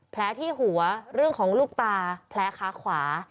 แผลที่หัวเรื่องของลูกตาแผลขาขวา